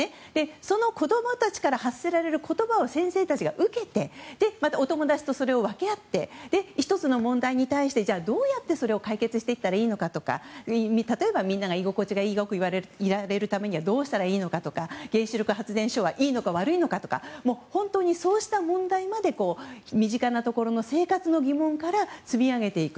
その子供たちから発せられる言葉を先生たちが受けてお友達とそれを分け合って１つの問題に対してどうやってそれを解決したらいいのかとか例えば、みんなが居心地良くいられるためにはどうしたらいいのかとか原子力発電所はいいのか悪いのかとか本当にそうした問題まで身近なところの生活の疑問から積み上げていく。